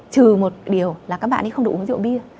trừ một điều là các bạn ấy không được uống rượu bia